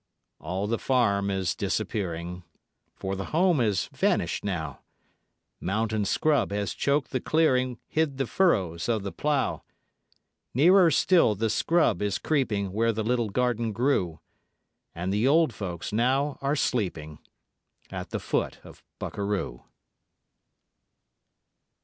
All the farm is disappearing; For the home has vanished now, Mountain scrub has choked the clearing, Hid the furrows of the plough. Nearer still the scrub is creeping Where the little garden grew; And the old folks now are sleeping At the foot of Bukaroo.